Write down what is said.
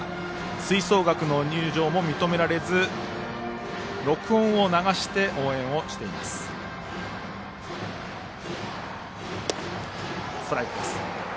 吹奏楽の入場も認められず録音を流して応援をしています。